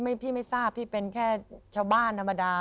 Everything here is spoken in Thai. พี่ไม่ทราบพี่เป็นแค่ชาวบ้านธรรมดา